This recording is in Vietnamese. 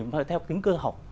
mà phải theo kính cơ học